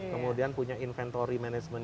kemudian punya inventory management